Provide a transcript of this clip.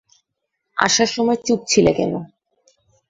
আসার সময় চুপ ছিলে কেন?